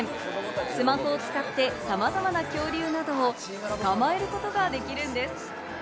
スマホを使って様々な恐竜などを捕まえることができるんです。